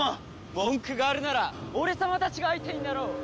文句があるなら俺様たちが相手になろう。